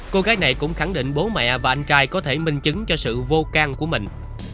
cô gái này cũng khẳng định bố mẹ và anh trai có thể minh chứng cho sự vô can của mình